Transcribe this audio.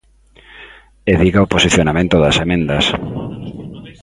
E diga o posicionamento das emendas.